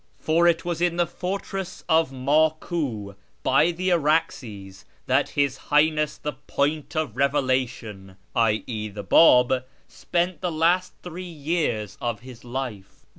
For it was in the fortress of Maku, by the Araxes, that His Highness the Point of Eevelation (i.e. the Bab) spent the last three years of his life.